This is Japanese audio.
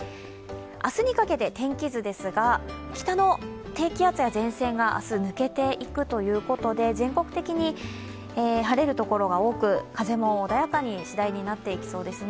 明日にかけて、天気図ですが、北の低気圧や前線が明日抜けていくということて全国的に晴れる所が多く、風もしだいに穏やかになっていきそうですね。